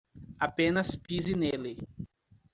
Apenas pise nele.